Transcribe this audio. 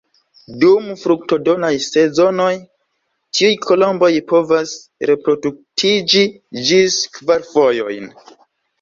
Dum fruktodonaj sezonoj tiuj kolomboj povas reproduktiĝi ĝis kvar fojojn.